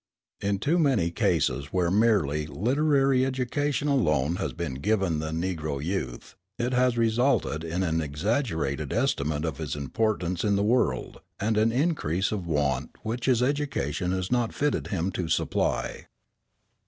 In too many cases where merely literary education alone has been given the Negro youth, it has resulted in an exaggerated estimate of his importance in the world, and an increase of wants which his education has not fitted him to supply.